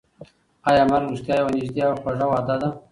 ایا مرګ رښتیا یوه نږدې او خوږه وعده ده؟